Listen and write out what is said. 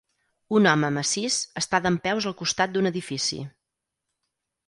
Un home massís està dempeus al costat d'un edifici.